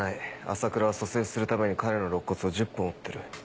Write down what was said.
朝倉は蘇生するために彼の肋骨を１０本折ってる。